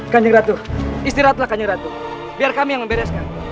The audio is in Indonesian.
kanjeng ratu istirahatlah kanjeng ratu biar kami yang membereskan